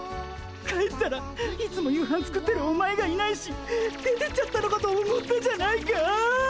帰ったらいつも夕飯作ってるお前がいないし出てっちゃったのかと思ったじゃないか！